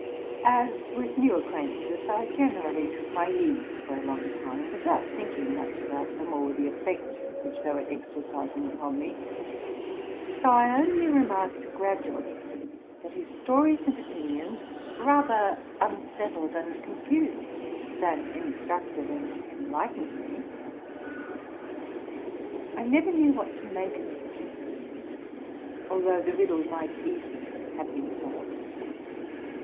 As with new acquaintances I generally took my éase for a long time without thinking much about them ov the effect which they were exercising upon me, so I only 514 TRUTH AND FICTION remarked gradually that his stories and opinions rather un settled and confused than instructed and enlightened me. I never knew what to make of him, although the riddle might easily have been solved.